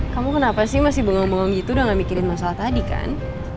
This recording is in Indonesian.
kamu kenapa sih masih bengong bengong gitu udah mikirin masalah tadi kan